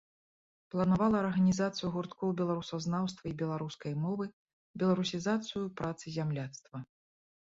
Планавала арганізацыю гурткоў беларусазнаўства і беларускай мовы, беларусізацыю працы зямляцтва.